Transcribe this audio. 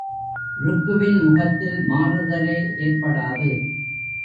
ருக்குவின் முகத்தில் மாறுதலே ஏற்படாது.